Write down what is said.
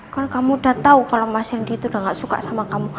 kalau kamu udah tau kalau mas rendy itu udah gak suka sama kamu